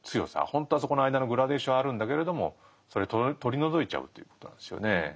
ほんとはそこの間のグラデーションあるんだけれどもそれ取り除いちゃうということなんですよね。